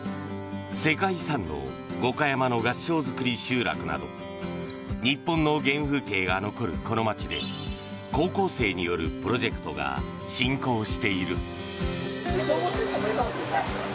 世界遺産の五箇山の合掌造り集落など日本の原風景が残るこの街で高校生によるプロジェクトが進行している。